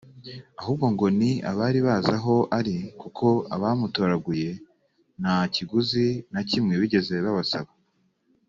ahubwo ngo ni abari bazi aho ari kuko abamutoraguye nta kiguzi na kimwe bigeze babasaba